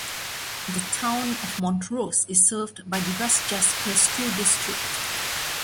The Town of Montrose is served by the West Jasper School District.